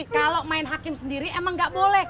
kalau main hakim sendiri emang gak boleh